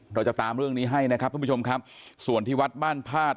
เราจะตามเรื่องนี้ให้นะครับทุกผู้ชมครับส่วนที่วัดบ้านพาด